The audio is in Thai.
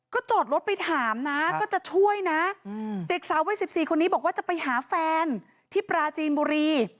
จอดรถไปถามนะก็จะช่วยนะเด็กสาววัย๑๔คนนี้บอกว่าจะไปหาแฟนที่ปราจีนบุรี